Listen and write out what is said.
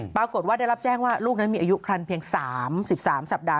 ปรากฏว่าได้รับแจ้งว่าลูกนั้นมีอายุคันเพียง๓๓สัปดาห